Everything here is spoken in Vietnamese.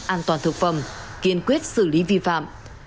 an toàn thực phẩm kiên quyết xử lý vi phạm